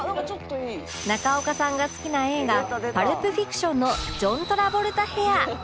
中岡さんが好きな映画『パルプ・フィクション』のジョン・トラボルタヘア